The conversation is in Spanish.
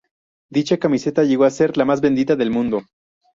Dicha camiseta llego a ser la más vendida del mundo.